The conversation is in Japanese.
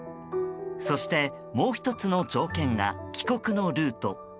そして、もう１つの条件が帰国のルート。